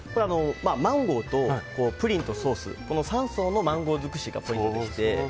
マンゴーとプリンとソース３層のマンゴー尽くしがポイントでして。